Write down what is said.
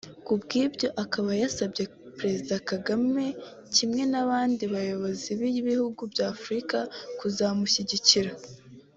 kubw’ibyo akaba yasabye Perezida Kagame kimwe n’abandi bayobozi b’ibihugu bya Afurika kuzamushyigikira